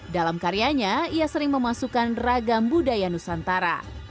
dalam karyanya ia sering memasukkan ragam budaya nusantara